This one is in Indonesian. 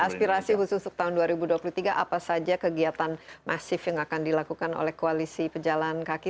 jadi untuk tahun dua ribu dua puluh tiga apa saja kegiatan masif yang akan dilakukan oleh koalisi pejalan kaki